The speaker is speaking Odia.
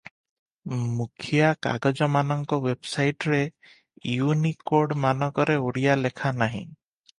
ମୁଖିଆ କାଗଜମାନଙ୍କ ୱେବସାଇଟରେ ଇଉନିକୋଡ଼ ମାନକରେ ଓଡ଼ିଆ ଲେଖା ନାହିଁ ।